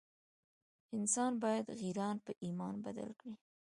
انسان باید غیران په ایمان بدل کړي.